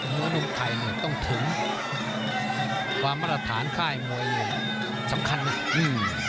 เนื้อนุ่มไข่เนี่ยต้องถึงความมาตรฐานค่ายมวยสำคัญนะอืม